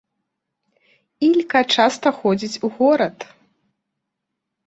Ілька часта ходзіць у горад.